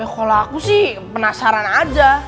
kalau aku sih penasaran aja